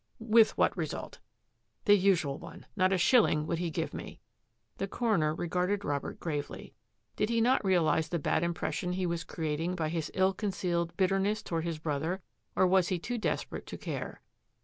" With what result? "" The usual one — not a shilling would he give me." The coroner regarded Robert gravely. Did he not realise the bad impression he was creating by his ill concealed bitterness toward his brother, or was he too desperate to care?